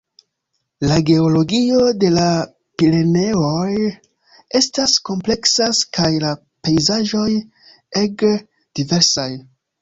La geologio de la Pireneoj estas kompleksa kaj la pejzaĝoj ege diversaj.